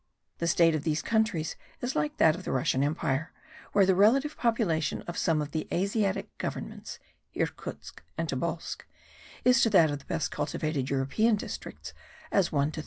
The state of these countries is like that of the Russian Empire, where the relative population of some of the Asiatic governments (Irkutsk and Tobolsk) is to that of the best cultivated European districts as 1 to 300.